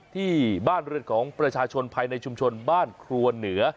ที่บ้านเรือนของประชาชนภายในชุมชนบ้านครัวเหนือ